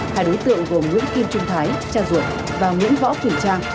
hai đối tượng gồm nguyễn kim trung thái cha ruột và nguyễn võ quỳnh trang